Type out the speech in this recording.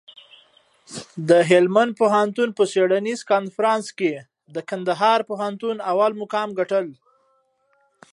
د هلمند پوهنتون په څېړنیز کنفرانس کي د کندهار پوهنتون اول مقام ګټل.